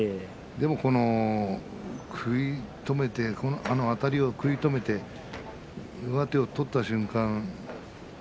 でも、この食い止めてあたりを食い止めて上手を取った瞬間